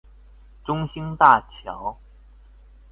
中興大橋